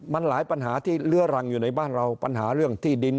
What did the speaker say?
มันหลายปัญหาที่เลื้อรังอยู่ในบ้านเราปัญหาเรื่องที่ดิน